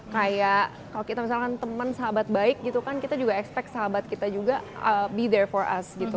kayak kalau kita misalkan teman sahabat baik gitu kan kita juga expect sahabat kita juga be there for us gitu